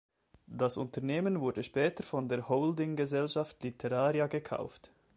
Das Unternehmen wurde später von der Holdinggesellschaft Literaria gekauft.